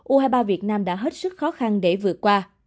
u hai mươi ba việt nam đã hết sức khó khăn để vượt qua